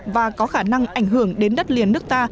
và có khả năng ảnh hưởng đến đất liền nước ta